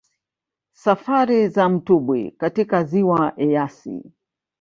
Safari za mtubwi katika Ziwa Eyasi